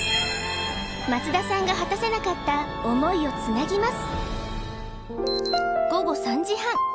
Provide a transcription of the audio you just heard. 松田さんが果たせなかった想いをつなぎます